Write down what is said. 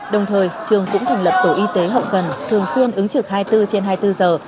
đồng thời trường cũng thành lập tổ y tế hậu cần thường xuyên ứng trực hai mươi bốn trên hai mươi bốn giờ